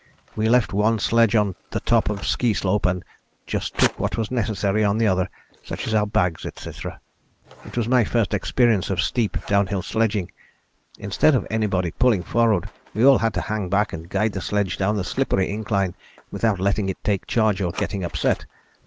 We left one sledge on the top of ski slope and just took what was necessary on the other, such as our bags, etc. It was my first experience of steep downhill sledging. Instead of anybody pulling forward we all had to hang back and guide the sledge down the slippery incline without letting it take charge or getting upset.